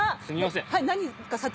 すみません